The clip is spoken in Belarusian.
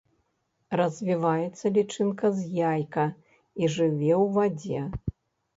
Развіваецца лічынка з яйка і жыве ў вадзе.